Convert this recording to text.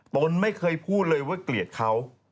ตนไม่เคยพูดเลยว่าเกลียดเขา